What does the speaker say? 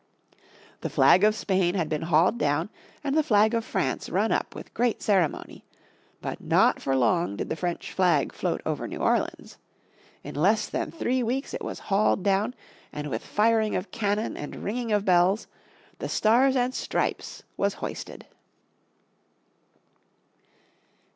The flag of Spain had been hauled down, and the flag of France run up with great ceremony. But not for long did the French flag float over New Orleans. In less than three weeks it was hauled down and with firing of cannon and ringing of bells the Stars and Stripes was hoisted.